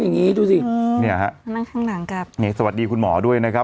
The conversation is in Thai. ข้างหลังกับนี่สวัสดีคุณหมอด้วยนะครับ